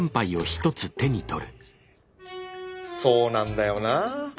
そうなんだよなあ